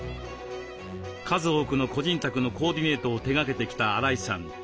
数多くの個人宅のコーディネートを手がけてきた荒井さん